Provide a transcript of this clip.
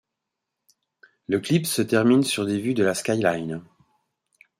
Le clip se termine sur des vues de la skyline.